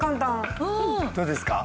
どうですか？